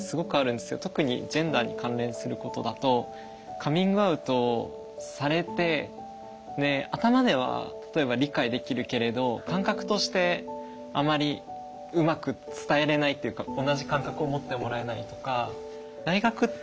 カミングアウトされて頭では例えば理解できるけれど感覚としてあまりうまく伝えれないっていうか同じ感覚を持ってもらえないとか。